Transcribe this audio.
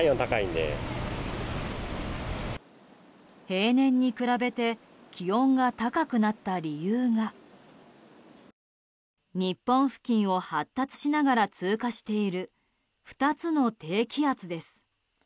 平年に比べて気温が高くなった理由が日本付近を発達しながら通過している２つの低気圧です。